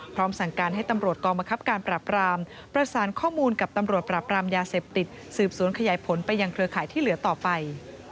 พร้อมสั่งการให้ตำรวจกองบังคับการปราบรามประสานข้อมูลกับตำรวจปราบรามยาเสพติดสืบสวนขยายผลไปยังเครือข่ายที่เหลือต่อไป